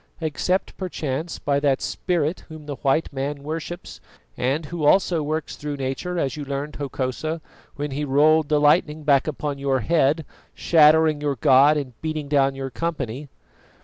"Except, perchance, by that Spirit Whom the white man worships, and Who also works through nature, as you learned, Hokosa, when He rolled the lightning back upon your head, shattering your god and beating down your company."